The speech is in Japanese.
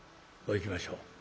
こういきましょう。